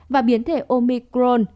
và biến thể omicron